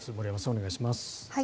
お願いします。